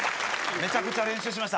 めちゃくちゃ練習しました。